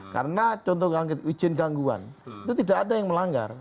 karena contohnya ujin gangguan itu tidak ada yang melanggar